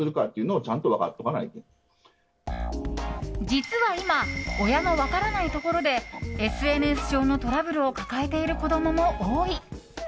実は今親の分からないところでＳＮＳ上のトラブルを抱えている子供も多い。